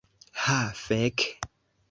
Ha, fek'.